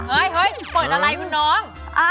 เฮ้ยเปิดอะไรวะน้อง